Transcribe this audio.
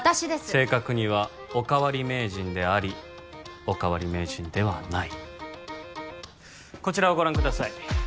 正確にはおかわり名人でありおかわり名人ではないこちらをご覧ください